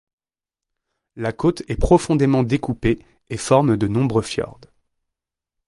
La côte est profondément découpée et forme de nombreux fjords.